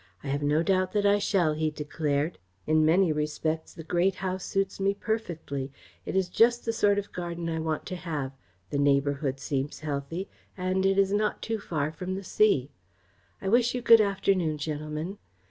"I have no doubt that I shall," he declared. "In many respects the Great House suits me perfectly. It is just the sort of garden I want to have, the neighbourhood seems healthy, and it is not too far from the sea. I wish you good afternoon, gentlemen!"